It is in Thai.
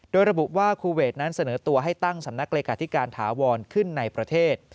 โดยระบุว่าคูเวทนั้นเสนอตัวให้ตั้งสำนักเลขาธิการถาวรขึ้นในประเทศ